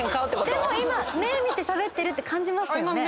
でも今目ぇ見てしゃべってるって感じましたよね。